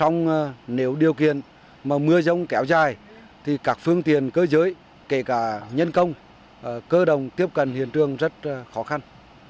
nếu điều kiện mà mưa rông kéo dài thì các phương tiện cơ giới kể cả nhân công cơ đồng tiếp cận hiện trường rất khó khăn